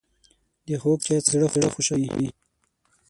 د خوږ چای څښل زړه خوشحالوي